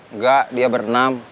enggak dia bernam